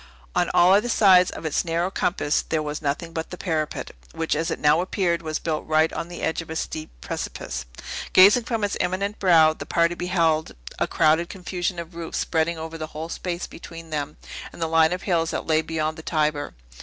On all other sides of its narrow compass there was nothing but the parapet, which as it now appeared was built right on the edge of a steep precipice. Gazing from its imminent brow, the party beheld a crowded confusion of roofs spreading over the whole space between them and the line of hills that lay beyond the Tiber.